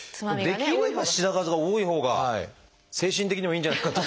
できれば品数が多いほうが精神的にもいいんじゃないかと。